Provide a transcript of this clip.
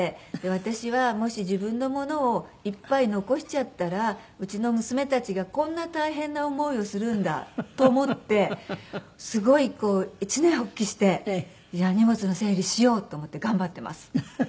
私はもし自分のものをいっぱい残しちゃったらうちの娘たちがこんな大変な思いをするんだと思ってすごいこう一念発起してじゃあ荷物の整理しようって思って頑張ってます。